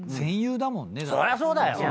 そりゃそうだよ。